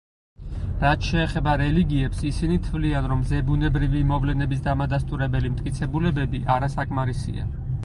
რაც შეეხება რელიგიებს, ისინი თვლიან, რომ ზებუნებრივი მოვლენების დამადასტურებელი მტკიცებულებები არასაკმარისია.